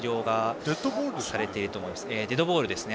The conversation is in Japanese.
デッドボールですね。